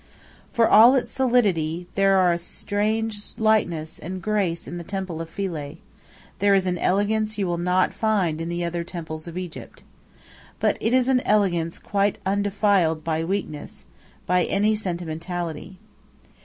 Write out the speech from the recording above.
For all its solidity, there are a strange lightness and grace in the temple of Philae; there is an elegance you will not find in the other temples of Egypt. But it is an elegance quite undefiled by weakness, by any sentimentality.